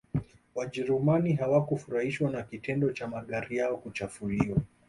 wajerumani hawakufurahishwa na kitendo cha magari yao kuchafuliwa